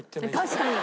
確かに。